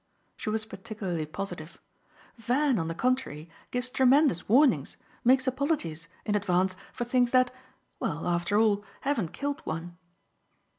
She was particularly positive. "Van on the contrary gives tremendous warnings, makes apologies, in advance, for things that well, after all, haven't killed one."